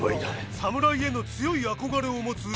侍への強い憧れを持つイチ。